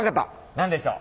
何でしょう。